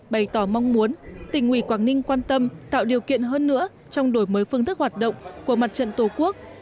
bày tỏ mong muốn tỉnh ủy quảng ninh quan tâm tạo điều kiện hơn nữa trong đổi mới phương thức hoạt động của mặt trận tổ quốc